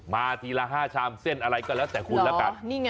มาทีละ๕ชามเส้นอะไรก็แล้วแต่คุณแล้วกัน